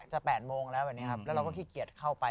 จะ๘โมงแล้วแล้วเราก็ขี้เกียจเข้าไป